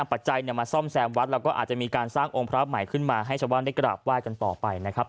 ปัจจัยมาซ่อมแซมวัดแล้วก็อาจจะมีการสร้างองค์พระใหม่ขึ้นมาให้ชาวบ้านได้กราบไหว้กันต่อไปนะครับ